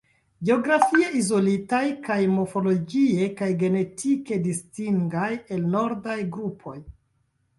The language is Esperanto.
Geografie izolitaj kaj morfologie kaj genetike distingaj el nordaj grupoj.